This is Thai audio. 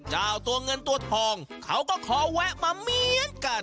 เจ้าตัวเงินตัวทองเขาก็ขอแวะมาเหมือนกัน